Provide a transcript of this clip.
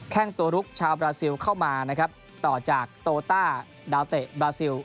แค่งตัวลุกชาวบราซิลเข้ามานะครับต่อจากโตต้าดาวเตะบราซิล